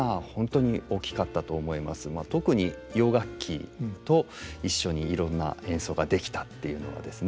特に洋楽器と一緒にいろんな演奏ができたっていうのはですね